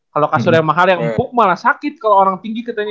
kalau kasur yang mahal yang empuk malah sakit kalau orang tinggi katanya